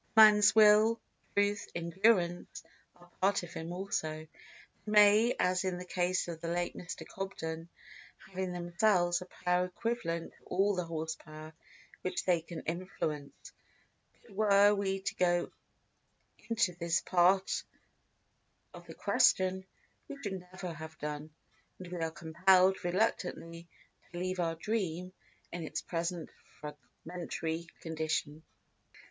A man's will, truth, endurance are part of him also, and may, as in the case of the late Mr. Cobden, have in themselves a power equivalent to all the horse power which they can influence; but were we to go into this part of the question we should never have done, and we are compelled reluctantly to leave our dream in its present fragmentary condition.